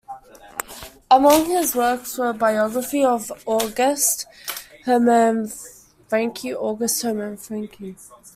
Among his works were a biography of August Hermann Francke, August Hermann Francke.